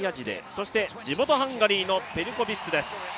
そして地元ハンガリーのパルコビッツです。